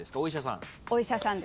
お医者さん？